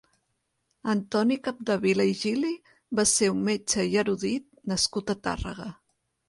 Antoni Capdevila i Gili va ser un metge i erudit nascut a Tàrrega.